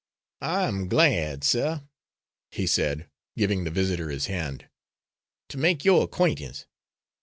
"I am glad, sir," he said, giving the visitor his hand, "to make your acquaintance.